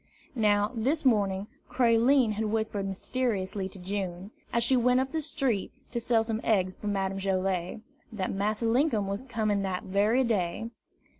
Now, this morning, Creline had whispered mysteriously to June, as she went up the street to sell some eggs for Madame Joilet, that Massa Linkum was coming that very day.